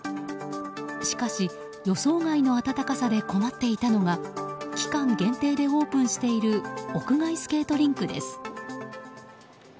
しかし予想外の暖かさで困っていたのが期間限定でオープンしている屋外スケートリンクです。